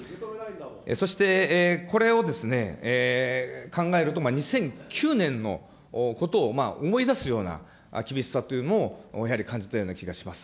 そしてこれを考えると、２００９年のことを思い出すような厳しさというものをやはり感じたような気がします。